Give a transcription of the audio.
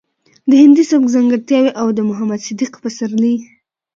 د هندي سبک ځانګړټياوې او د محمد صديق پسرلي